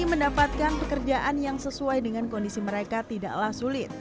mendapatkan pekerjaan yang sesuai dengan kondisi mereka tidaklah sulit